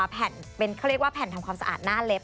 แผ่นเป็นเขาเรียกว่าแผ่นทำความสะอาดหน้าเล็บ